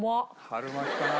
春巻きかな。